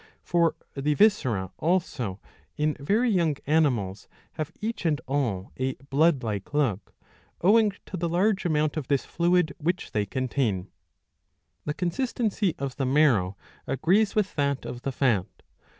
^ For the viscera also in very young animals have each and all a blood like look, owing to the large amount of this fluid which they contain. The consistency of the marrow agrees with that of the fat.